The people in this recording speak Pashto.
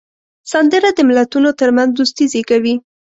سندره د ملتونو ترمنځ دوستي زیږوي